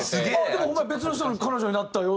でもホンマや「別の人の彼女になったよ」